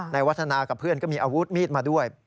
วัฒนากับเพื่อนก็มีอาวุธมีดมาด้วย